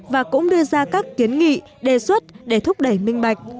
và cũng đưa ra các kiến nghị đề xuất để thúc đẩy minh bạch